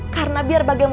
karena biar bagaimana